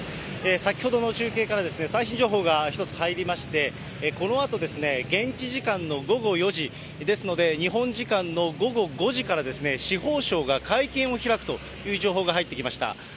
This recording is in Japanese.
先ほどの中継から最新情報が一つ入りまして、このあと、現地時間の午後４時、ですので、日本時間の午後５時から司法省が会見を開くという情報が入ってきました。